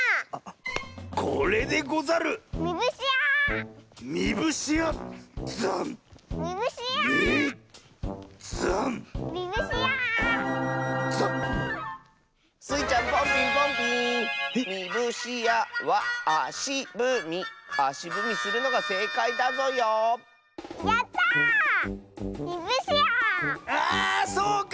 あそうか！